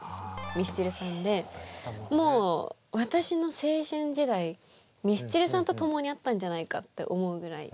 ミスチルさんでもう私の青春時代ミスチルさんと共にあったんじゃないかって思うぐらい。